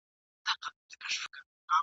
بيا به ګورئ بيا به وينئ !.